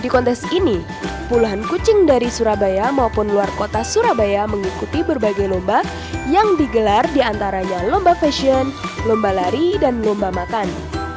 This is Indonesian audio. kucing digelar di antaranya lomba fashion lomba lari dan lomba makan